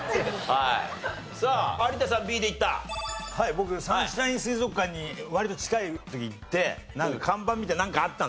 僕サンシャイン水族館に割と近くに行って看板みたいななんかあったんです